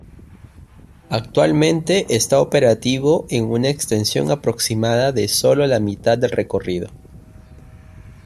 Actualmente está operativo en una extensión aproximada de solo la mitad del recorrido.